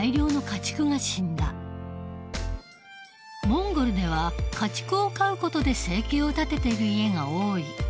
モンゴルでは家畜を飼う事で生計を立てている家が多い。